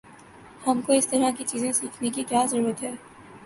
ہم کو اس طرح کی چیزیں سیکھنے کی کیا ضرورت ہے؟